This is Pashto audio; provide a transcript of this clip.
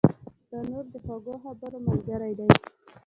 تنور د خوږو خبرو ملګری دی